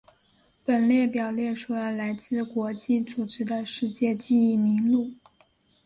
本列表列出了来自国际组织的世界记忆名录。